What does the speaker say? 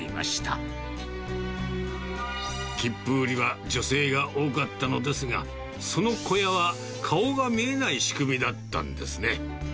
売りは女性が多かったのですが、その小屋は、顔が見えない仕組みだったんですね。